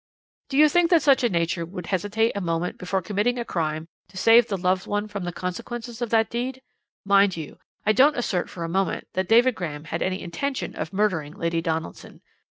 "Do you think that such a nature would hesitate a moment before committing a crime to save the loved one from the consequences of that deed? Mind you, I don't assert for a moment that David Graham had any intention of murdering Lady Donaldson.